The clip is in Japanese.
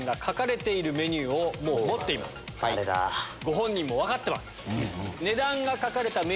ご本人も分かってます。